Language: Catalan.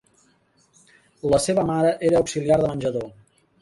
La seva mare era auxiliar de menjador.